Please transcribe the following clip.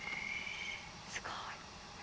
すごい。